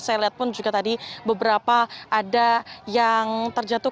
saya lihat pun juga tadi beberapa ada yang terjatuh